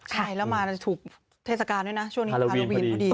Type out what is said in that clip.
ใช่แล้วมาถูกเทศกาลด้วยนะช่วงนี้ฮาโลวีนพอดี